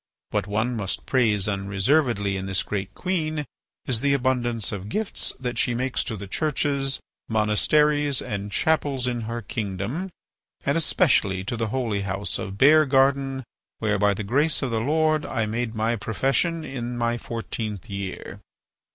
What one must praise unreservedly in this great queen is the abundance of gifts that she makes to the churches, monasteries, and chapels in her kingdom, and especially to the holy house of Beargarden, where, by the grace of the Lord, I made my profession in my fourteenth year.